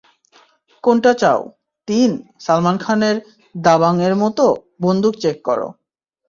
কোনটা চাও -তিন -সালমান খানের দাবাং এর মতো -বন্দুক চেক করো।